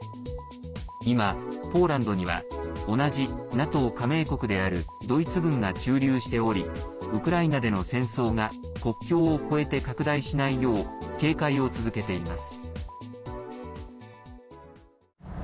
今、ポーランドには同じＮＡＴＯ加盟国であるドイツ軍が駐留しておりウクライナでの戦争が国境を越えて拡大しないよう警戒を続けています。